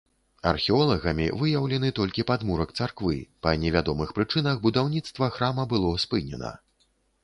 Археолагамі выяўлены толькі падмурак царквы, па невядомых прычынах будаўніцтва храма было спынена.